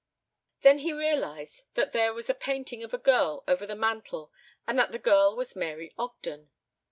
Then he realized that there was a painting of a girl over the mantel and that the girl was Mary Ogden.